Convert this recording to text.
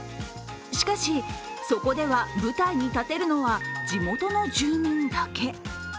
しかし、そこでは舞台に立てるのは地元の住民だけ。